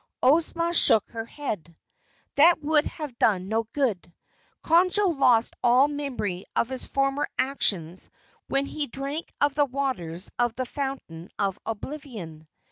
Ozma shook her head. "That would have done no good. Conjo lost all memory of his former actions when he drank of the waters of the Fountain of Oblivion."